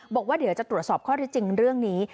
บอกว่าเดี๋ยวจะตรวจสอบข้อที่จริงเรื่องนี้